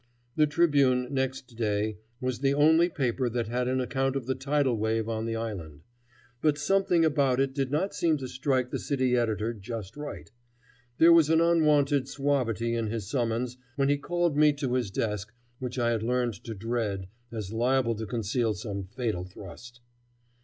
The Tribune next day was the only paper that had an account of the tidal wave on the island. But something about it did not seem to strike the city editor just right. There was an unwonted suavity in his summons when he called me to his desk which I had learned to dread as liable to conceal some fatal thrust.